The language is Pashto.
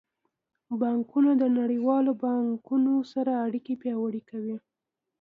بانکونه د نړیوالو بانکونو سره اړیکې پیاوړې کوي.